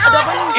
ustadz ada apa nih